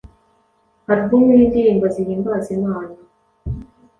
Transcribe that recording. album y’ indirimbo zihimbaza Imana